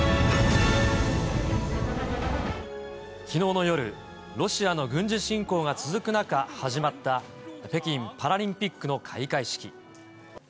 きのうの夜、ロシアの軍事侵攻が続く中、始まった北京パラリンピックの開会式。